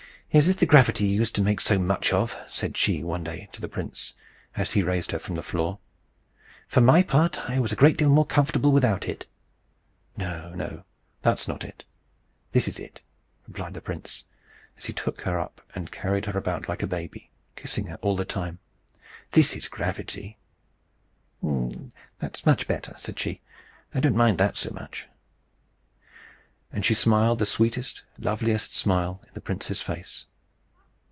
"Is this the gravity you used to make so much of?" said she one day to the prince, as he raised her from the floor. "For my part, I was a great deal more comfortable without it." "No, no, that's not it. This is it," replied the prince, as he took her up, and carried her about like a baby, kissing her all the time. "This is gravity." "That's better," said she. "I don't mind that so much." And she smiled the sweetest, loveliest smile in the prince's face.